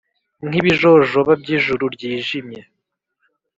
Nk'ibijojoba by'ijuru ryijimye.